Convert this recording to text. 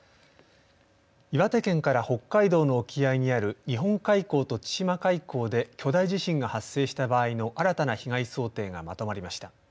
岩手県から北海道の沖合にある日本海溝と千島海溝で巨大地震が発生した場合の新たな被害想定がまとまりました。